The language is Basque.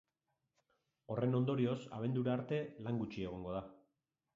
Horren ondorioz, abendura arte lan gutxi egongo da.